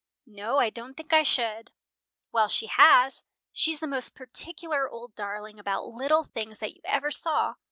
"No, I don't think I should." "Well, she has. She's the most particular old darling about little things that you ever saw.